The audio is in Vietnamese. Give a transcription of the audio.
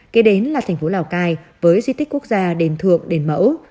kế đến là thành phố lào cai với di tích quốc gia đền thượng đền mẫu